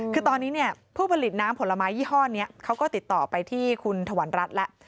คือตอนนี้เนี่ยผู้ผลิตน้ำผลไม้ยี่ห้อนี้เขาก็ติดต่อไปที่คุณถวันรัฐแล้ว